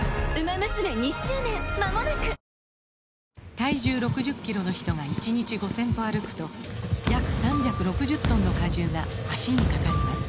体重６０キロの人が１日５０００歩歩くと約３６０トンの荷重が脚にかかります